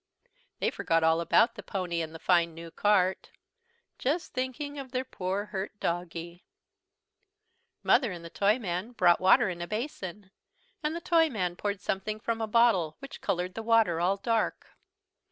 They forgot all about the pony and the fine new cart, just thinking of their poor hurt doggie. Mother and the Toyman brought water in a basin, and the Toyman poured something from a bottle, which coloured the water all dark.